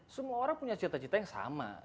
semua orang punya cita cita yang sama